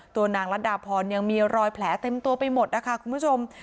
ตัวนางรัดดาพรยังมีรอยแผลเต็มตัวไปหมดนะคะคุณผู้ชม